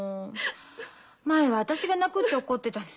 前は私が泣くって怒ってたのに。